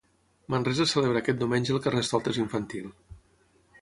Manresa celebra aquest diumenge el Carnestoltes infantil.